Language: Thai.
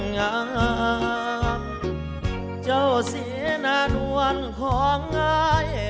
ยามเจ้าเสียหน้าดวนของไอ